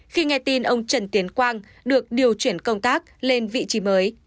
khi nghe tin ông trần tiến quang được điều chuyển công tác lên vị trí mới